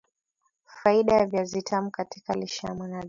Faida ya viazi vitamu katika lishe ya mwanadamu